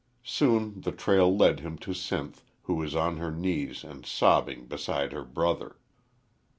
Soon the trail led him to Sinth, who was on her knees and sobbing beside her brother.